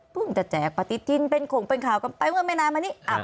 พึ่งจะแจกปฏิทินเป็นโขงเป็นข่าวกันไปไม่นานมานี้